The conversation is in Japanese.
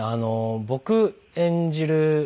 僕演じる